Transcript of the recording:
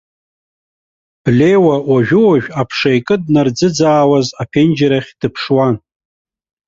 Леуа уажәы-уажәы аԥша икыднарӡыӡаауаз аԥенџьыр ахь дыԥшуан.